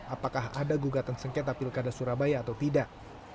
apakah ada gugatan sengketa pilkada surabaya atau tidak